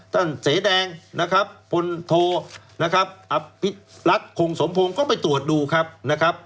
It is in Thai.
เสแดงนะครับพลโทนะครับอภิรัตคงสมพงศ์ก็ไปตรวจดูครับนะครับ